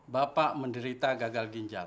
bapak menderita gagal ginjal